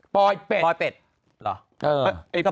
ปอยเป็ดปอยเป็ดเหรอ